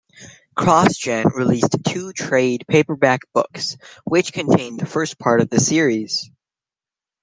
CrossGen released two trade paperback books which contained the first part of the series.